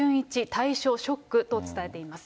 退所ショックと伝えています。